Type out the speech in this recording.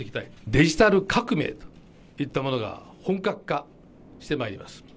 デジタル革命といったものが本格化してまいります。